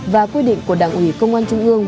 và quy định của đảng ủy công an trung ương